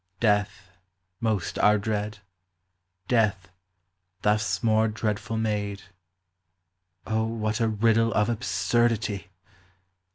Death, most our dread ; death, thus more dreadful made : O, what a riddle of absurdity